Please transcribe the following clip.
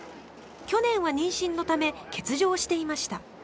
去年は妊娠のため欠場していました。